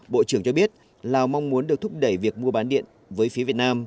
bộ trưởng cho biết lào mong muốn được thúc đẩy việc mua bán điện với phía việt nam